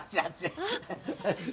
あっ大丈夫ですか？